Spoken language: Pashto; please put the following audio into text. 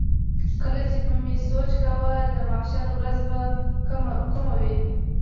کله چې به مې سوچ کاوه د محشر ورځ به کومه وي.